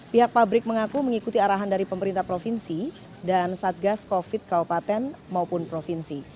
pihak pabrik mengaku mengikuti arahan dari pemerintah provinsi dan saat gas covid sembilan belas keopaten maupun provinsi